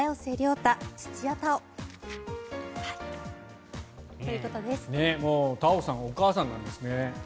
太鳳さんお母さんなんですね。